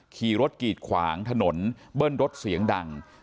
ขี่รถกีดขวางถนนเบิ้ลรถเสียงดัง